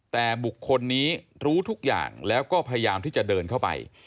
แต่บุคคลนี้รู้ทุกอย่างแล้วก็พยายามที่จะเดินเข้าไป